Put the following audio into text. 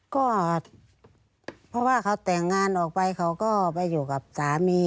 ก็เพราะว่าเขาแต่งงานออกไปเขาก็ไปอยู่กับสามี